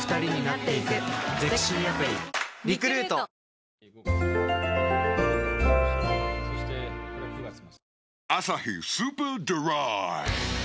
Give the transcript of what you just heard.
本麒麟「アサヒスーパードライ」